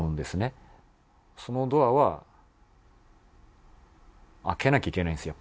そのドアは開けなきゃいけないんですよ